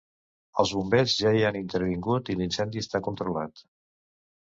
Els bombers ja hi han intervingut i l’incendi està controlar.